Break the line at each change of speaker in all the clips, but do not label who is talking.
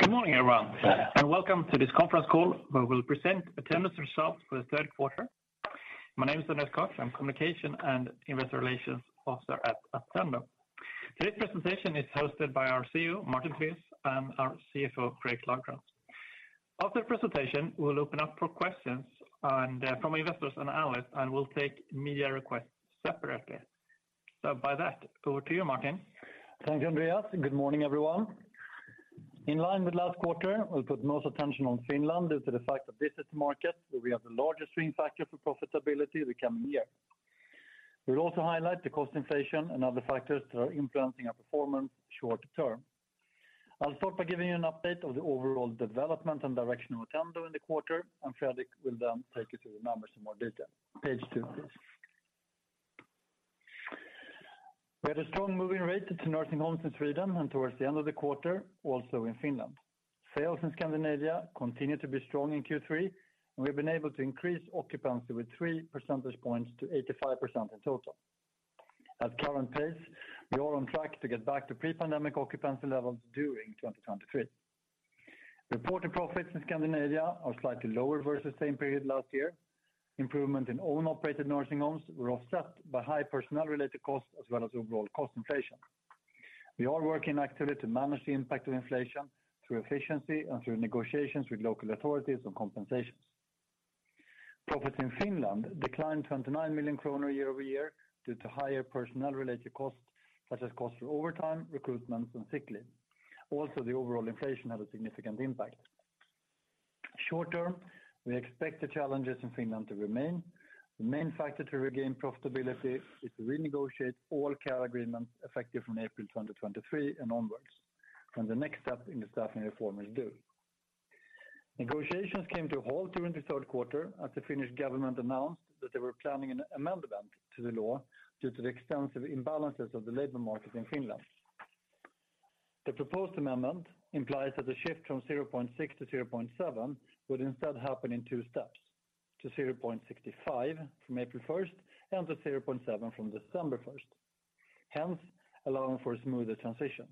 Good morning, everyone, and welcome to this conference call, where we'll present Attendo Results for the Third Quarter. My name is Andreas Koch. I'm Communications and Investor Relations Officer at Attendo. Today's presentation is hosted by our CEO, Martin Tivéus, and our CFO, Fredrik Lagercrantz. After the presentation, we'll open up for questions and from investors and analysts, and we'll take media requests separately. By that, over to you, Martin.
Thank you, Andreas. Good morning, everyone. In line with last quarter, we'll put most attention on Finland due to the fact that this is the market where we have the largest driving factor for profitability we can hear. We'll also highlight the cost inflation and other factors that are influencing our performance short-term. I'll start by giving you an update of the overall development and direction of Attendo in the quarter, and Fredrik will then take you through the numbers in more detail. Page two, please. We had a strong moving rate to nursing homes in Sweden, and towards the end of the quarter, also in Finland. Sales in Scandinavia continued to be strong in Q3, and we've been able to increase occupancy with 3 percentage points to 85% in total. At current pace, we are on track to get back to pre-pandemic occupancy levels during 2023. Reported profits in Scandinavia are slightly lower versus same period last year. Improvement in own operated nursing homes were offset by high personnel-related costs as well as overall cost inflation. We are working actively to manage the impact of inflation through efficiency and through negotiations with local authorities on compensations. Profits in Finland declined 29 million kronor year-over-year due to higher personnel-related costs, such as costs for overtime, recruitment, and sick leave. Also, the overall inflation had a significant impact. Short-term, we expect the challenges in Finland to remain. The main factor to regain profitability is to renegotiate all care agreements effective from April 2023 and onwards, when the next step in the staffing reform is due. Negotiations came to a halt during the third quarter as the Finnish government announced that they were planning an amendment to the law due to the extensive imbalances of the labor market in Finland. The proposed amendment implies that the shift from 0.6 to 0.7 would instead happen in two steps, to 0.65 from April 1st, and to 0.7 from December 1st, hence allowing for a smoother transition.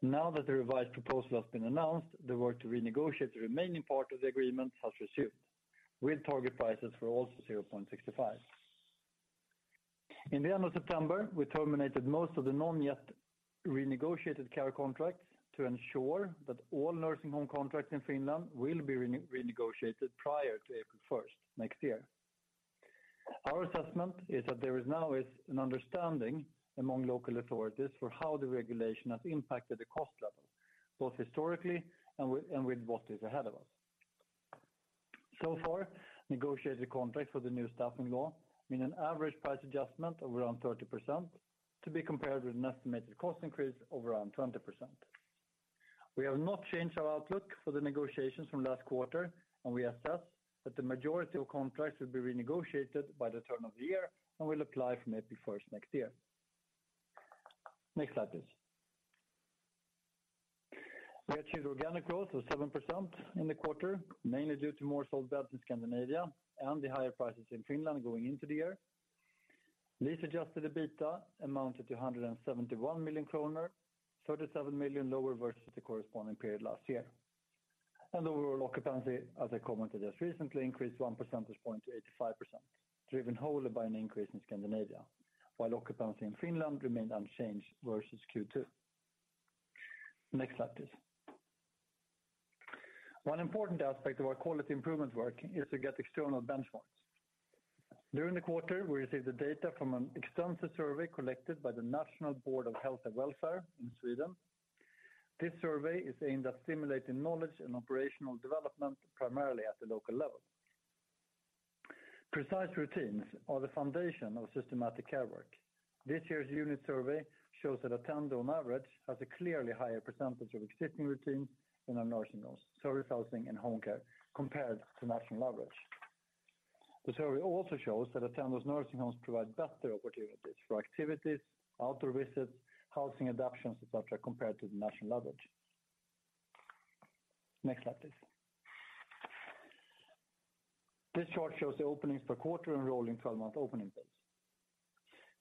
Now that the revised proposal has been announced, the work to renegotiate the remaining part of the agreement has resumed, with target prices for also 0.65. At the end of September, we terminated most of the not yet renegotiated care contracts to ensure that all nursing home contracts in Finland will be renegotiated prior to April 1st, next year. Our assessment is that there is now an understanding among local authorities for how the regulation has impacted the cost level, both historically and with what is ahead of us. Far, negotiated contracts for the new staffing law mean an average price adjustment of around 30% to be compared with an estimated cost increase of around 20%. We have not changed our outlook for the negotiations from last quarter, and we assess that the majority of contracts will be renegotiated by the turn of the year and will apply from April 1st, next year. Next slide, please. We achieved organic growth of 7% in the quarter, mainly due to more sold beds in Scandinavia and the higher prices in Finland going into the year. Lease-adjusted EBITDA amounted to 171 million kronor, 37 million lower versus the corresponding period last year. The overall occupancy, as I commented, has recently increased 1 percentage point to 85%, driven wholly by an increase in Scandinavia, while occupancy in Finland remained unchanged versus Q2. Next slide, please. One important aspect of our quality improvement work is to get external benchmarks. During the quarter, we received the data from an extensive survey collected by the National Board of Health and Welfare in Sweden. This survey is aimed at stimulating knowledge and operational development, primarily at the local level. Precise routines are the foundation of systematic care work. This year's unit survey shows that Attendo, on average, has a clearly higher percentage of existing routines in our nursing homes, service housing, and home care compared to national average. The survey also shows that Attendo's nursing homes provide better opportunities for activities, outdoor visits, housing adaptations, et cetera, compared to the national average. Next slide, please. This chart shows the openings per quarter and rolling 12-month opening pace.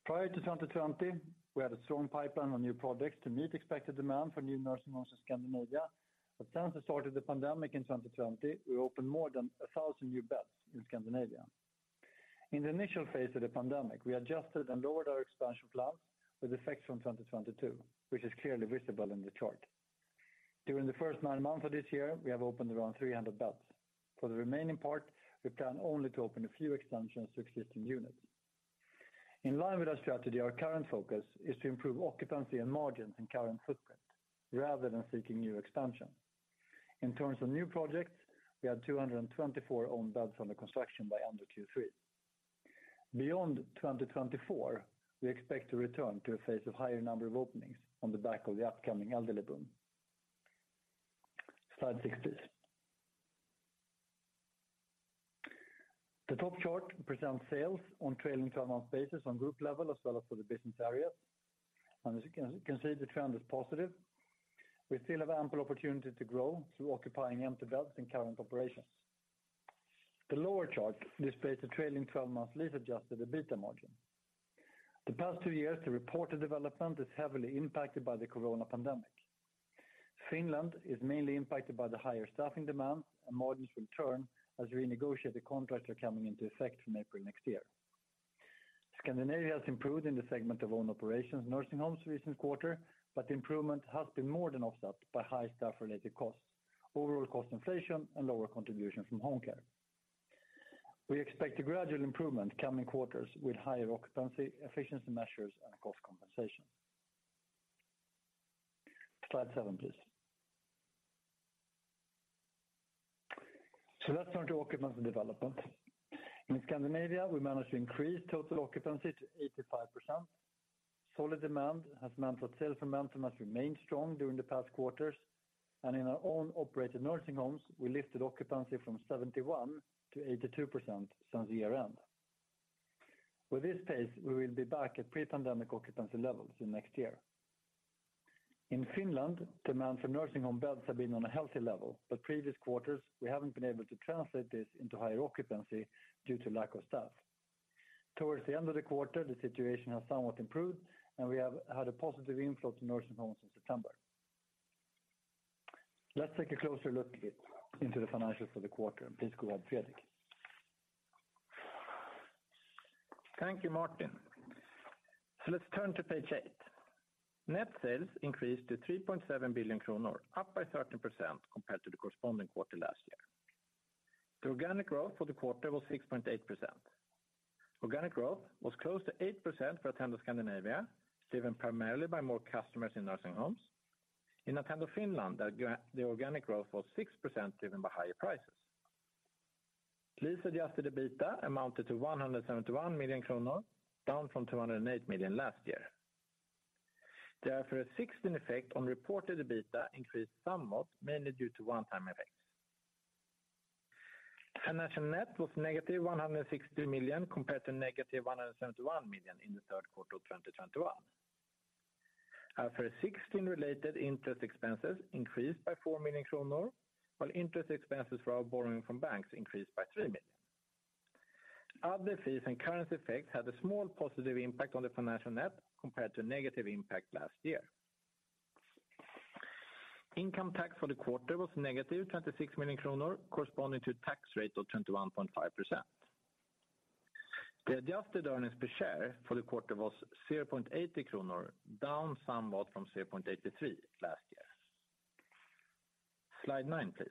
Prior to 2020, we had a strong pipeline on new projects to meet expected demand for new nursing homes in Scandinavia. Since the start of the pandemic in 2020, we opened more than 1,000 new beds in Scandinavia. In the initial phase of the pandemic, we adjusted and lowered our expansion plans with effects from 2022, which is clearly visible in the chart. During the first nine months of this year, we have opened around 300 beds. For the remaining part, we plan only to open a few extensions to existing units. In line with our strategy, our current focus is to improve occupancy and margins in current footprint rather than seeking new expansion. In terms of new projects, we had 224 owned beds under construction by end of Q3. Beyond 2024, we expect to return to a phase of higher number of openings on the back of the upcoming elderly boom. Slide six. The top chart presents sales on trailing 12-month basis on group level as well as for the business areas. As you can see, the trend is positive. We still have ample opportunity to grow through occupying empty beds in current operations. The lower chart displays the trailing 12-month lease-adjusted EBITDA margin. The past two years, the reported development is heavily impacted by the corona pandemic. Finland is mainly impacted by the higher staffing demand, and margins will turn as we renegotiate the contracts are coming into effect from April next year. Scandinavia has improved in the segment of own operated nursing homes recent quarter, but the improvement has been more than offset by high staff-related costs, overall cost inflation, and lower contribution from home care. We expect a gradual improvement coming quarters with higher occupancy, efficiency measures, and cost compensation. Slide seven, please. Let's turn to occupancy development. In Scandinavia, we managed to increase total occupancy to 85%. Solid demand has meant that sales momentum has remained strong during the past quarters, and in our own operated nursing homes, we lifted occupancy from 71% to 82% since year-end. With this pace, we will be back at pre-pandemic occupancy levels in next year. In Finland, demand for nursing home beds have been on a healthy level, but previous quarters, we haven't been able to translate this into higher occupancy due to lack of staff. Towards the end of the quarter, the situation has somewhat improved, and we have had a positive inflow to nursing homes in September. Let's take a closer look into the financials for the quarter. Please go ahead, Fredrik.
Thank you, Martin. Let's turn to page 8. Net sales increased to 3.7 billion kronor, up by 13% compared to the corresponding quarter last year. The organic growth for the quarter was 6.8%. Organic growth was close to 8% for Attendo Scandinavia, driven primarily by more customers in nursing homes. In Attendo Finland, organic growth was 6%, driven by higher prices. Lease-adjusted EBITDA amounted to SEK 171 million, down from SEK 208 million last year. Therefore, IFRS 16 effect on reported EBITDA increased somewhat, mainly due to one-time effects. Financial net was negative SEK 160 million compared to negative SEK 171 million in the third quarter of 2021. IFRS 16-related interest expenses increased by 4 million kronor, while interest expenses for our borrowing from banks increased by 3 million. Other fees and currency effects had a small positive impact on the financial net compared to negative impact last year. Income tax for the quarter was negative 26 million kronor, corresponding to a tax rate of 21.5%. The adjusted earnings per share for the quarter was 0.80 kronor, down somewhat from 0.83 last year. Slide nine, please.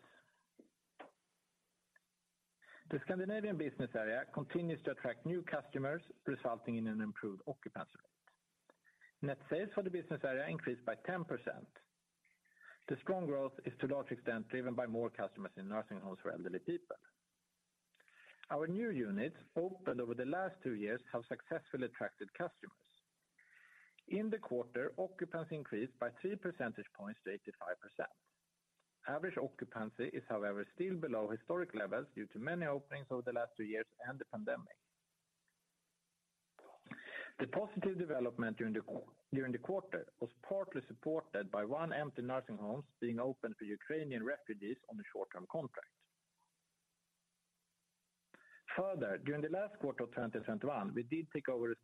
The Scandinavian business area continues to attract new customers, resulting in an improved occupancy rate. Net sales for the business area increased by 10%. The strong growth is to a large extent driven by more customers in nursing homes for elderly people. Our new units opened over the last two years have successfully attracted customers. In the quarter, occupancy increased by 3 percentage points to 85%. Average occupancy is however still below historic levels due to many openings over the last two years and the pandemic. The positive development during the quarter was partly supported by one empty nursing home being open for Ukrainian refugees on a short-term contract. Further, during the last quarter of 2021, we did take over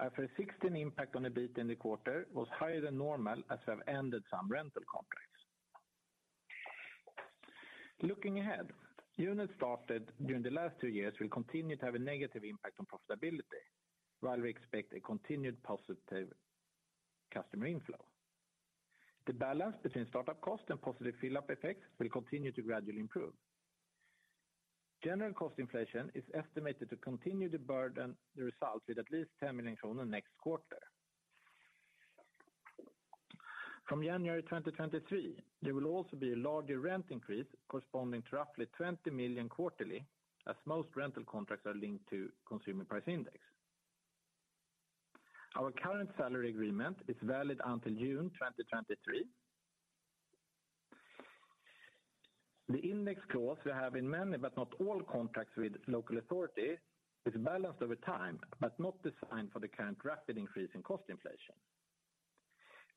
responsibility for four new outsourcing contracts. The index clause we have in many, but not all contracts with local authority is balanced over time, but not designed for the current rapid increase in cost inflation.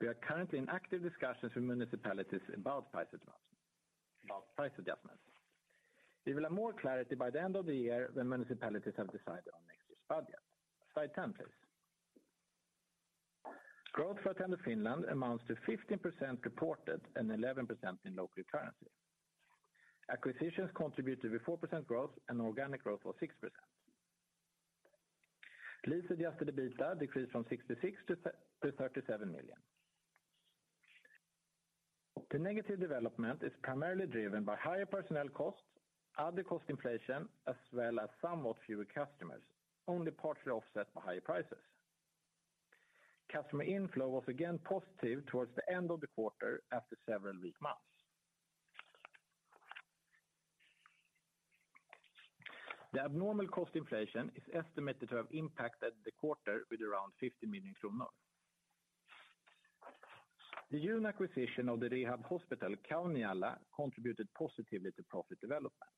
We are currently in active discussions with municipalities about price adjustments. We will have more clarity by the end of the year when municipalities have decided on next year's budget. Slide 10, please. Growth for Attendo Finland amounts to 15% reported and 11% in local currency. Acquisitions contributed with 4% growth and organic growth was 6%. Lease-adjusted EBITDA decreased from 66 million to 37 million. The negative development is primarily driven by higher personnel costs, other cost inflation, as well as somewhat fewer customers, only partially offset by higher prices. Customer inflow was again positive towards the end of the quarter after several weak months. The abnormal cost inflation is estimated to have impacted the quarter with around 50 million kronor. The June acquisition of the rehab hospital Kauniala Hospital contributed positively to profit development.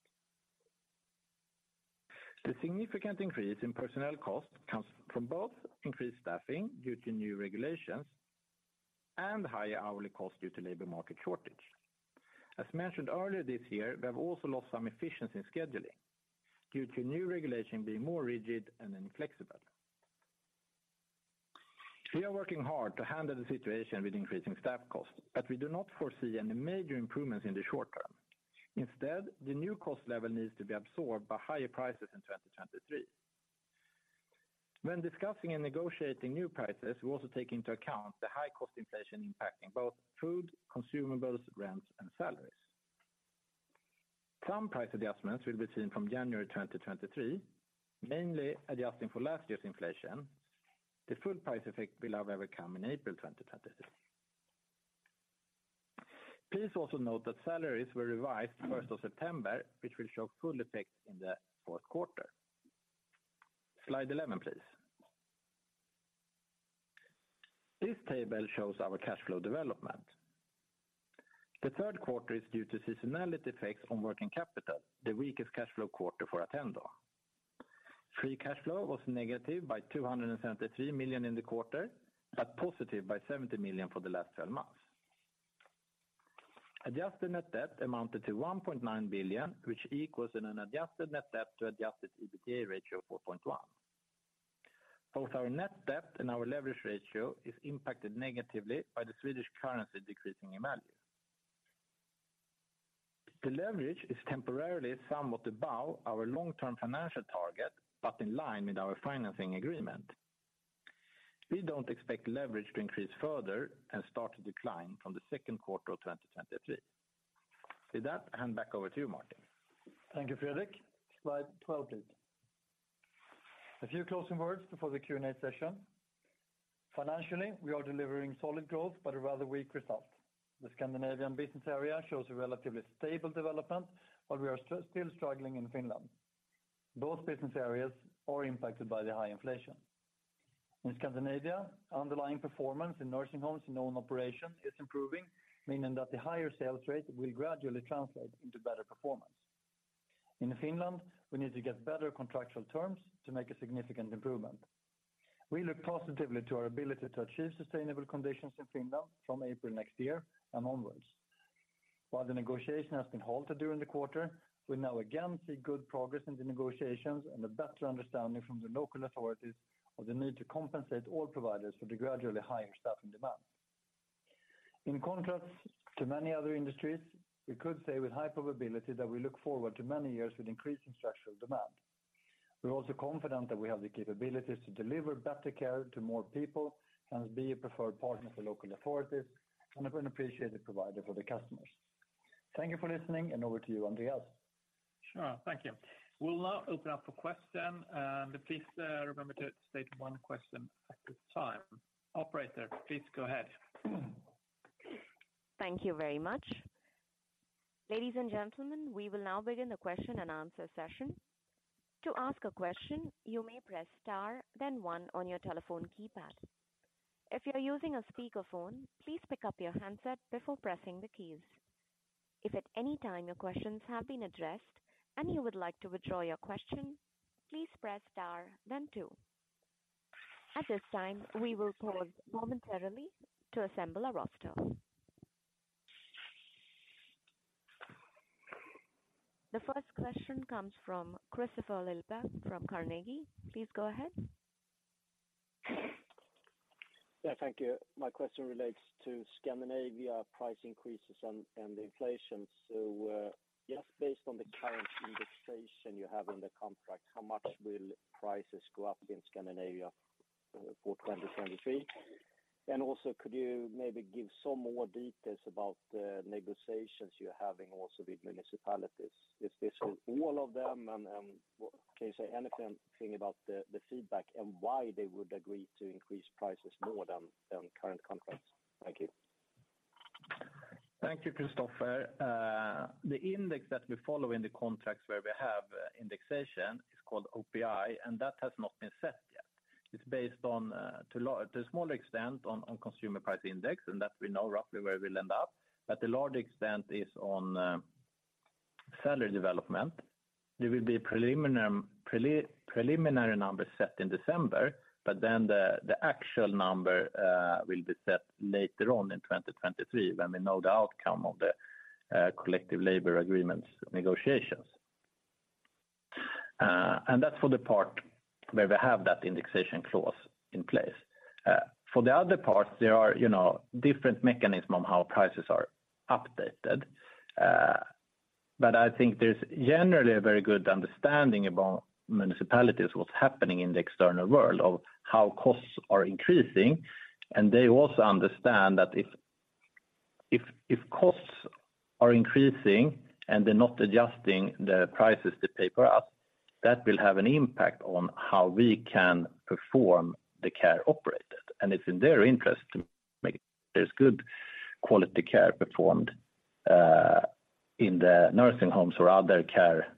The significant increase in personnel costs comes from both increased staffing due to new regulations and higher hourly cost due to labor market shortage. As mentioned earlier this year, we have also lost some efficiency in scheduling due to new regulation being more rigid and inflexible. We are working hard to handle the situation with increasing staff costs, but we do not foresee any major improvements in the short term. Instead, the new cost level needs to be absorbed by higher prices in 2023. When discussing and negotiating new prices, we also take into account the high cost inflation impacting both food, consumables, rents, and salaries. Some price adjustments will be seen from January 2023, mainly adjusting for last year's inflation. The full price effect will however come in April 2023. Please also note that salaries were revised September 1st, which will show full effect in the fourth quarter. Slide 11, please. This table shows our cash flow development. The third quarter is due to seasonality effects on working capital, the weakest cash flow quarter for Attendo. Free Cash Flow was negative by 273 million in the quarter, but positive by 70 million for the last twelve months. Adjusted net debt amounted to 1.9 billion, which equals an adjusted net debt to adjusted EBITDA ratio of 4.1. Both our net debt and our leverage ratio is impacted negatively by the Swedish currency decreasing in value. The leverage is temporarily somewhat above our long-term financial target, but in line with our financing agreement. We don't expect leverage to increase further and start to decline from the second quarter of 2023. With that, I hand back over to you, Martin.
Thank you, Fredrik. Slide 12, please. A few closing words before the Q&A session. Financially, we are delivering solid growth but a rather weak result. The Scandinavian business area shows a relatively stable development, but we are still struggling in Finland. Both business areas are impacted by the high inflation. In Scandinavia, underlying performance in nursing homes in own operations is improving, meaning that the higher sales rate will gradually translate into better performance. In Finland, we need to get better contractual terms to make a significant improvement. We look positively to our ability to achieve sustainable conditions in Finland from April next year and onwards. While the negotiation has been halted during the quarter, we now again see good progress in the negotiations and a better understanding from the local authorities of the need to compensate all providers for the gradually higher staffing demand. In contrast to many other industries, we could say with high probability that we look forward to many years with increasing structural demand. We're also confident that we have the capabilities to deliver better care to more people and be a preferred partner for local authorities and an appreciated provider for the customers. Thank you for listening, and over to you, Andreas.
Sure. Thank you. We'll now open up for questions. Please, remember to state one question at a time. Operator, please go ahead.
Thank you very much. Ladies and gentlemen, we will now begin the question and answer session. To ask a question, you may press star then one on your telephone keypad. If you're using a speakerphone, please pick up your handset before pressing the keys. If at any time your questions have been addressed and you would like to withdraw your question, please press star then two. At this time, we will pause momentarily to assemble a roster. The first question comes from Kristofer Liljeberg from Carnegie. Please go ahead.
Yeah, thank you. My question relates to Scandinavia price increases and inflation. Just based on the current indexation you have in the contract, how much will prices go up in Scandinavia for 2023? Also, could you maybe give some more details about the negotiations you're having also with municipalities? Is this all of them, and can you say anything about the feedback and why they would agree to increase prices more than current contracts? Thank you.
Thank you, Christopher. The index that we follow in the contracts where we have indexation is called OPI, and that has not been set yet. It's based on to a smaller extent on consumer price index, and that we know roughly where we'll end up. The larger extent is on salary development. There will be preliminary numbers set in December, but then the actual number will be set later on in 2023 when we know the outcome of the collective labor agreements negotiations. That's for the part where we have that indexation clause in place. For the other parts, there are, you know, different mechanisms on how prices are updated. I think there's generally a very good understanding about municipalities, what's happening in the external world of how costs are increasing. They also understand that if costs are increasing and they're not adjusting the prices they pay for us, that will have an impact on how we can perform the care operations. It's in their interest to make sure there's good quality care performed in the nursing homes or other care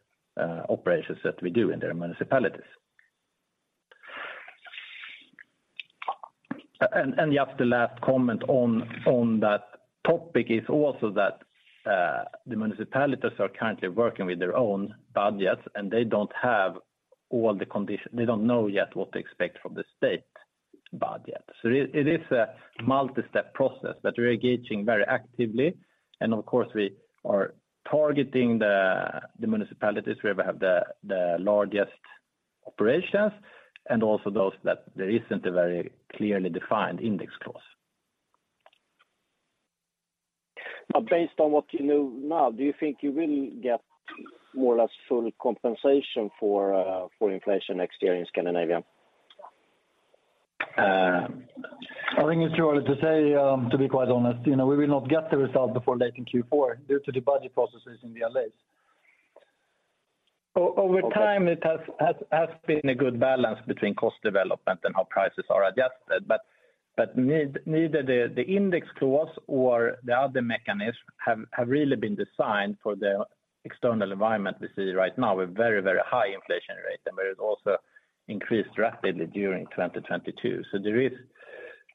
operations that we do in their municipalities. Just the last comment on that topic is also that the municipalities are currently working with their own budgets, and they don't have all the conditions. They don't know yet what to expect from the state budget. It is a multi-step process, but we are engaging very actively. Of course, we are targeting the municipalities where we have the largest operations, and also those where there isn't a very clearly defined index clause.
Based on what you know now, do you think you really get more or less full compensation for inflation next year in Scandinavia?
I think it's too early to say, to be quite honest. You know, we will not get the result before late in Q4 due to the budget processes in the municipalities.
Over time, it has been a good balance between cost development and how prices are adjusted. Neither the index clause or the other mechanisms have really been designed for the external environment we see right now with very, very high inflation rate, and where it also increased rapidly during 2022.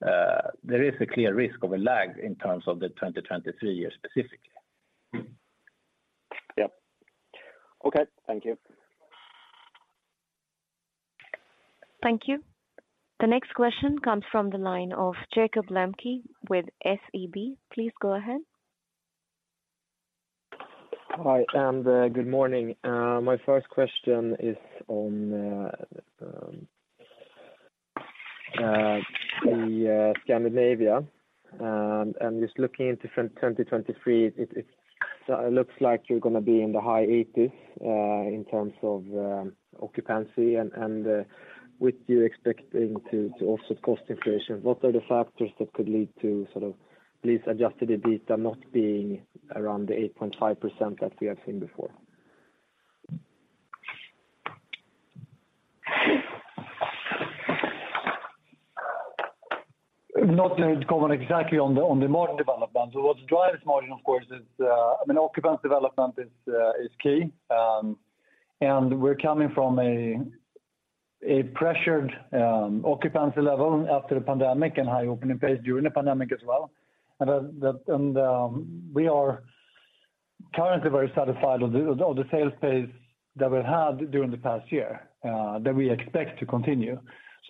There is a clear risk of a lag in terms of the 2023 year specifically.
Yep. Okay. Thank you.
Thank you. The next question comes from the line of Jakob Lembke with SEB. Please go ahead.
Hi, good morning. My first question is on the Scandinavia. I'm just looking into from 2023. It looks like you're gonna be in the high eighties in terms of occupancy. With you expecting to also cost inflation, what are the factors that could lead to sort of lease-adjusted EBITDA not being around the 8.5% that we have seen before?
Not going exactly on the margin development. What drives margin, of course, is I mean, occupancy development is key. We're coming from a pressured occupancy level after the pandemic and high opening pace during the pandemic as well. We are currently very satisfied with the sales pace that we had during the past year that we expect to continue.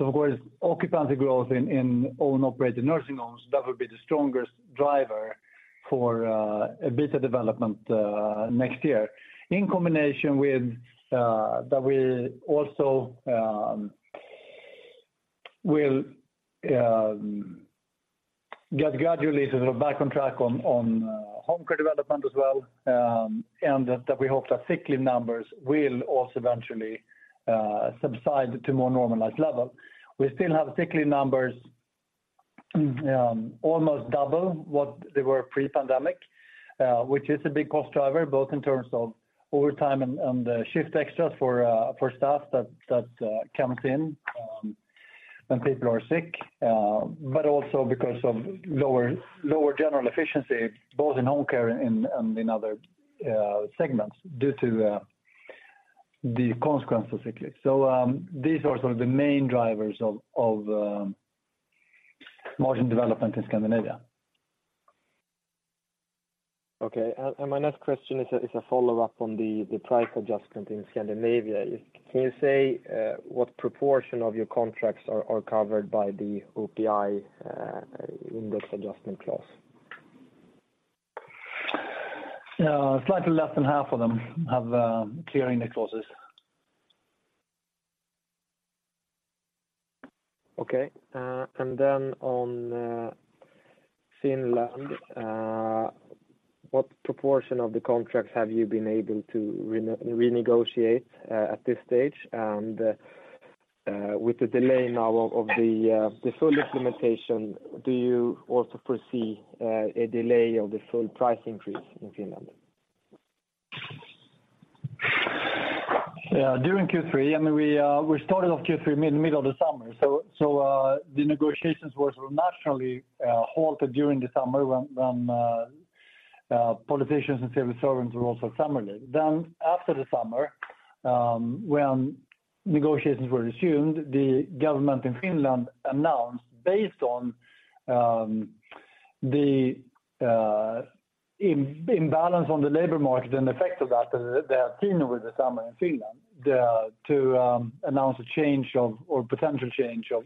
Of course, occupancy growth in own operated nursing homes that would be the strongest driver for EBITDA development next year. In combination with that we also will get gradually sort of back on track on home care development as well. That we hope that sick leave numbers will also eventually subside to more normalized level. We still have sick leave numbers, almost double what they were pre-pandemic, which is a big cost driver, both in terms of overtime and the shift extras for staff that comes in when people are sick. Also because of lower general efficiency, both in home care and in other segments due to the consequences of sick leave. These are sort of the main drivers of margin development in Scandinavia.
Okay. My next question is a follow-up on the price adjustment in Scandinavia. Can you say what proportion of your contracts are covered by the OPI index adjustment clause?
Slightly less than half of them have clear index clauses.
Okay. On Finland, what proportion of the contracts have you been able to renegotiate at this stage? With the delay now of the full implementation, do you also foresee a delay of the full price increase in Finland?
Yeah. During Q3, I mean, we started off Q3 in the middle of the summer. The negotiations were sort of naturally halted during the summer when politicians and civil servants were also on summer leave. After the summer, when negotiations were resumed, the government in Finland announced based on the imbalance in the labor market and the effect of that to announce a change or potential change of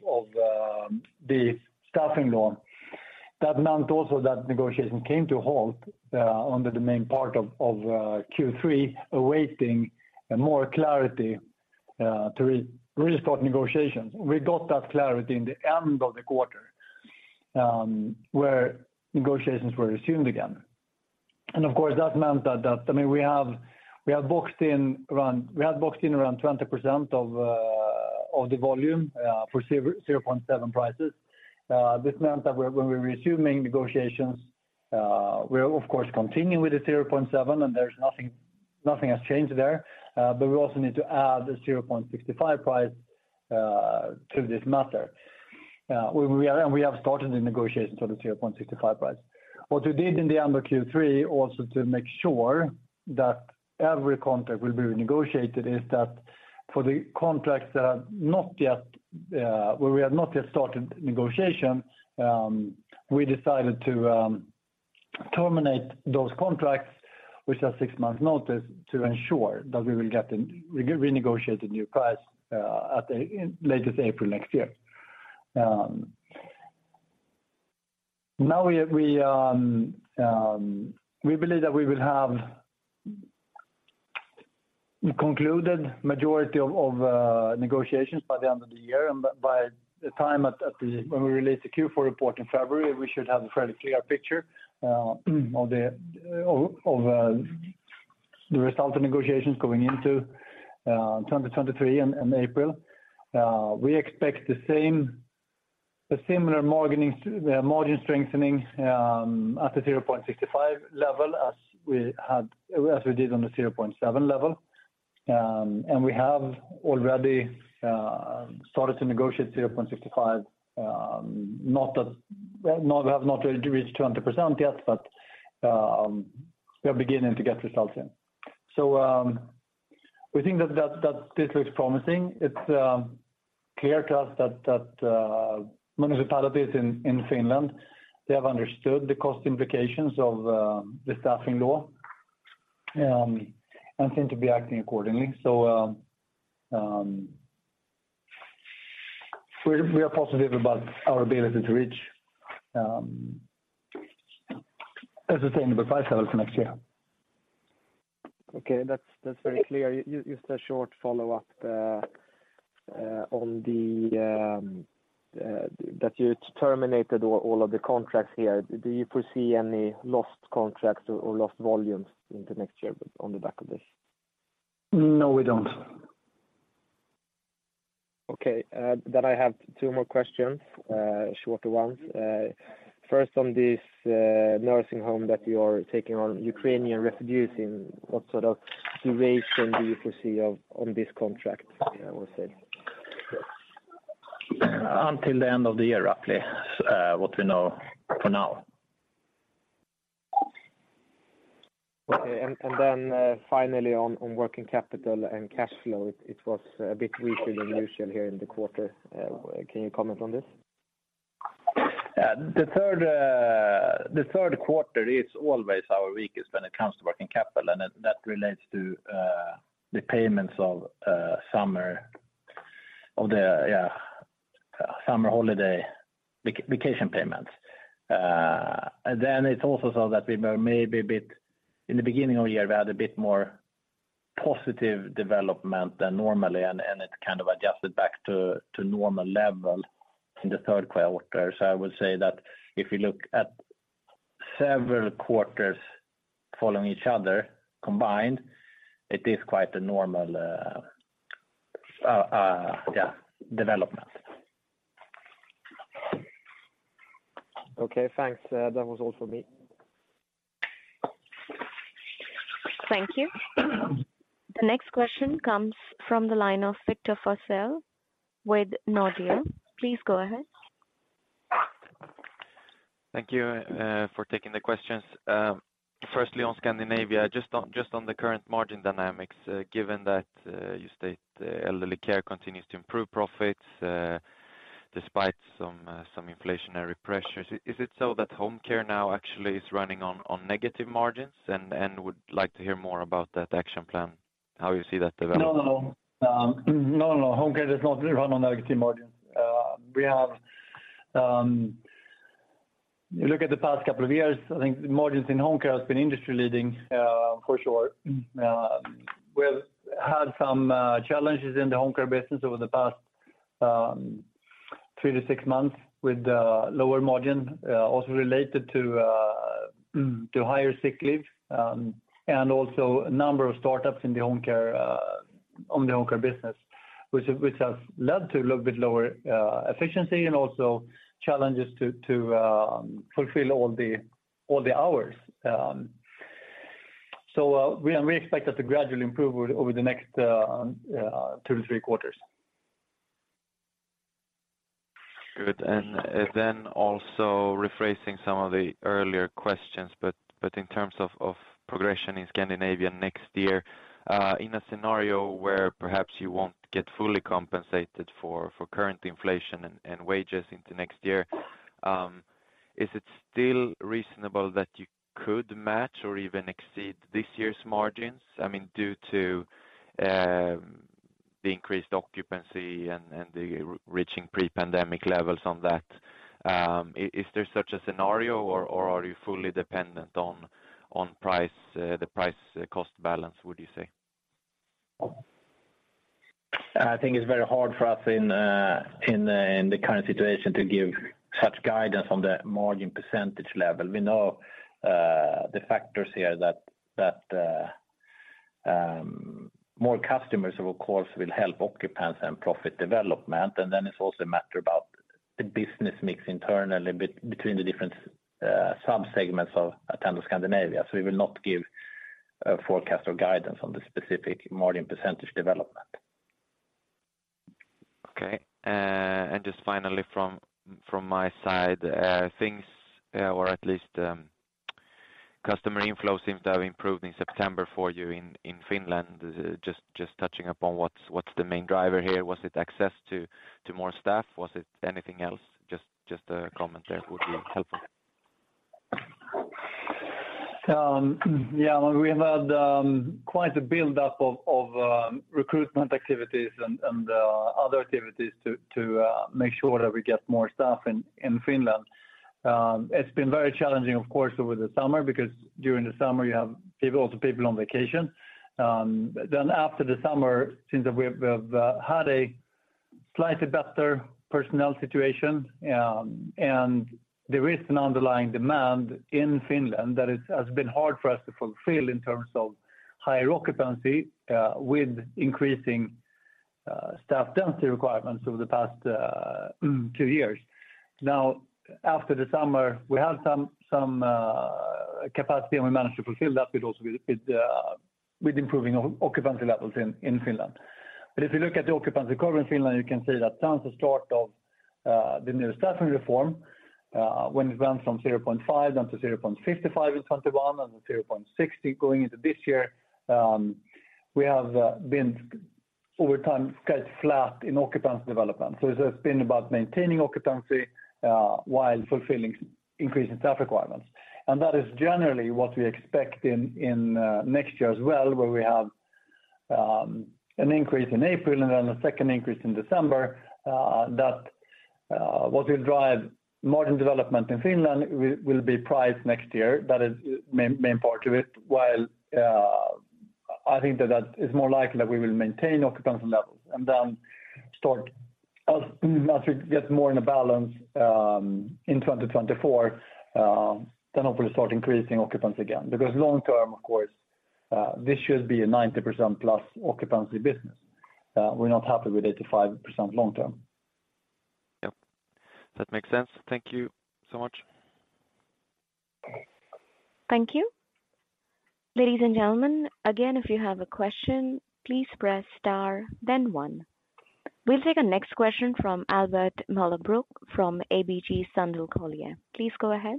the staffing law. That meant also that negotiations came to a halt on the main part of Q3, awaiting more clarity to restart negotiations. We got that clarity in the end of the quarter, where negotiations were resumed again. Of course, that meant that, I mean, we had boxed in around 20% of the volume for 0.7 prices. This meant that when we're resuming negotiations, we're of course continuing with the 0.7, and there's nothing has changed there. But we also need to add the 0.65 price to this matter. We are, and we have started the negotiations for the 0.65 price. What we did in the end of Q3 also to make sure that every contract will be renegotiated is that for the contracts that are not yet where we have not yet started negotiation, we decided to terminate those contracts with a six months notice to ensure that we will get to renegotiate the new price at the latest April next year. Now we believe that we will have concluded majority of negotiations by the end of the year. By the time when we release the Q4 report in February, we should have a fairly clear picture of the result of negotiations going into 2023 and April. We expect a similar margin strengthening at the 0.65% level as we did on the 0.7% level. We have already started to negotiate 0.65%, we have not reached 100% yet, but we are beginning to get results in. We think that this looks promising. It's clear to us that municipalities in Finland have understood the cost implications of the staffing law and seem to be acting accordingly. We are positive about our ability to reach a sustainable price level for next year.
Okay. That's very clear. Just a short follow-up on that you terminated all of the contracts here. Do you foresee any lost contracts or lost volumes into next year on the back of this?
No, we don't.
Okay. I have two more questions, shorter ones. First on this nursing home that you are taking on Ukrainian refugees in, what sort of duration do you foresee of on this contract, I would say?
Until the end of the year, roughly, what we know for now.
Okay. Finally on working capital and cash flow, it was a bit weaker than usual here in the quarter. Can you comment on this?
Yeah. The third quarter is always our weakest when it comes to working capital, and that relates to the payments of summer holiday vacation payments. It's also so that we were maybe a bit in the beginning of the year. We had a bit more positive development than normally, and it kind of adjusted back to normal level in the third quarter. I would say that if you look at several quarters following each other combined, it is quite a normal development.
Okay, thanks. That was all for me.
Thank you. The next question comes from the line of Victor Forssell with Nordea. Please go ahead.
Thank you for taking the questions. Firstly on Scandinavia, just on the current margin dynamics, given that you state the elderly care continues to improve profits, despite some inflationary pressures. Is it so that home care now actually is running on negative margins? Would like to hear more about that action plan, how you see that developing.
No, no. Home care does not run on negative margins. We have, you look at the past couple of years. I think the margins in home care has been industry-leading, for sure. We have had some challenges in the home care business over the past three to six months with the lower margin, also related to higher sick leave, and also a number of startups in the home care on the home care business, which has led to a little bit lower efficiency and also challenges to fulfill all the hours. We expect that to gradually improve over the next two to three quarters.
Good. Then also rephrasing some of the earlier questions, but in terms of progression in Scandinavia next year, in a scenario where perhaps you won't get fully compensated for current inflation and wages into next year, is it still reasonable that you could match or even exceed this year's margins? I mean, due to the increased occupancy and the reaching pre-pandemic levels on that. Is there such a scenario or are you fully dependent on price, the price cost balance, would you say?
I think it's very hard for us in the current situation to give such guidance on the margin percentage level. We know the factors here that more customers of course will help occupancy and profit development. Then it's also a matter about the business mix internally between the different sub-segments of Attendo Scandinavia. We will not give a forecast or guidance on the specific margin percentage development.
Okay. Just finally from my side, things or at least customer inflows seems to have improved in September for you in Finland. Just touching upon what's the main driver here? Was it access to more staff? Was it anything else? Just a comment there would be helpful.
We have had quite a build-up of recruitment activities and other activities to make sure that we get more staff in Finland. It's been very challenging, of course, over the summer, because during the summer you have people, lots of people on vacation. After the summer, since we've had a slightly better personnel situation, and there is an underlying demand in Finland that has been hard for us to fulfill in terms of higher occupancy with increasing staff density requirements over the past two years. Now, after the summer, we had some capacity, and we managed to fulfill that also with improving occupancy levels in Finland. If you look at the occupancy curve in Finland, you can see that since the start of the new staffing reform, when it went from 0.5 down to 0.55 in 2021 and to 0.60 going into this year, we have been over time quite flat in occupancy development. It's been about maintaining occupancy while fulfilling increasing staff requirements. That is generally what we expect in next year as well, where we have an increase in April and then a second increase in December. What will drive margin development in Finland will be prices next year. That is main part of it. While I think that is more likely that we will maintain occupancy levels and then start as we get more in the balance, in 2024, then hopefully start increasing occupancy again. Because long term, of course, this should be a 90%+ occupancy business. We're not happy with 85% long term.
Yep. That makes sense. Thank you so much.
Thank you. Ladies and gentlemen, again, if you have a question, please press star, then one. We'll take our next question from Albert Möller Broock from ABG Sundal Collier. Please go ahead.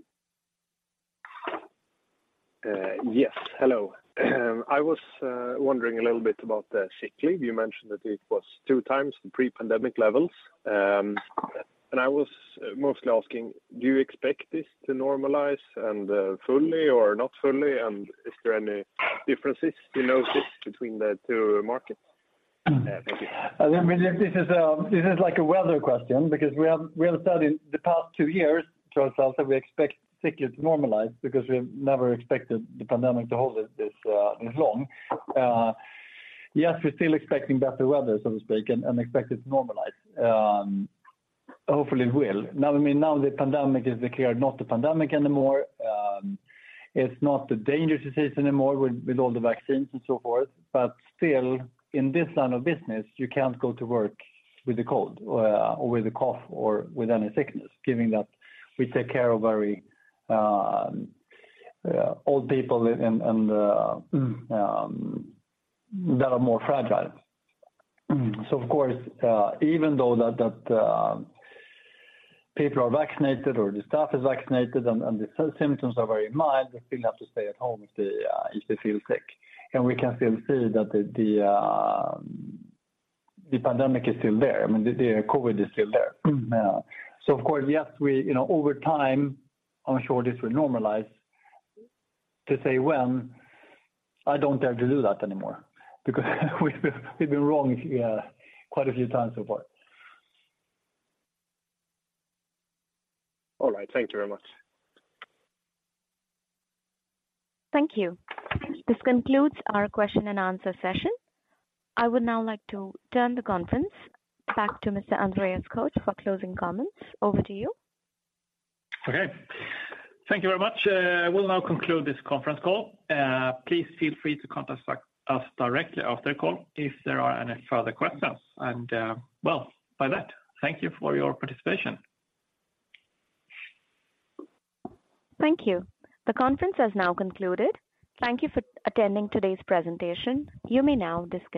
Yes. Hello. I was wondering a little bit about the sick leave. You mentioned that it was 2x the pre-pandemic levels. I was mostly asking, do you expect this to normalize and fully or not fully? Is there any differences you notice between the two markets? Thank you.
This is like a weather question because we have studied the past two years. Turns out that we expect sick leave to normalize because we have never expected the pandemic to hold it this long. Yes, we're still expecting better weather, so to speak, and expect it to normalize. Hopefully, it will. Now, I mean, now the pandemic is declared not a pandemic anymore. It's not a dangerous disease anymore with all the vaccines and so forth. Still, in this line of business, you can't go to work with a cold or with a cough or with any sickness, given that we take care of very old people and that are more fragile. Of course, even though that people are vaccinated or the staff is vaccinated and the symptoms are very mild, they still have to stay at home if they feel sick. We can still see that the pandemic is still there. I mean, the COVID is still there. Of course, yes, we, you know, over time, I'm sure this will normalize. To say when, I don't dare to do that anymore because we've been wrong quite a few times so far.
All right. Thank you very much.
Thank you. This concludes our question and answer session. I would now like to turn the conference back to Mr. Andreas Koch for closing comments. Over to you.
Okay. Thank you very much. I will now conclude this conference call. Please feel free to contact us directly after the call if there are any further questions. With that, thank you for your participation.
Thank you. The conference has now concluded. Thank you for attending today's presentation. You may now disconnect.